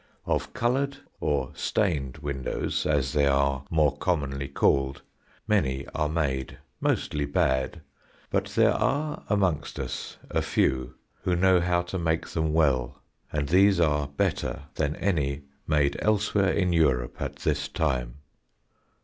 Of coloured or stained windows, as they are more commonly called, many are made, mostly bad, but there are amongst us a few who know how to make them well, and these are better than any made elsewhere in Europe at this time.